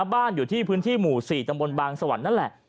บ้านอยู่ที่พื้นที่หมู่๔ตำบลบางสวรรค์นั่นแหละ